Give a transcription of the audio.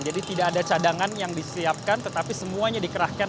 jadi tidak ada cadangan yang disiapkan tetapi semuanya dikerahkan